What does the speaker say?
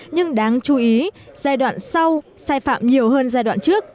nhưng đáng chú ý giai đoạn sau sai phạm nhiều hơn giai đoạn trước